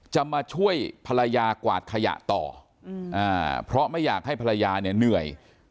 จะมาช่วยภรรยากวาดขยะต่อเพราะไม่อยากให้ภรรยาเนี่ยเหนื่อย